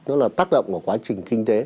nó là tác động của quá trình kinh tế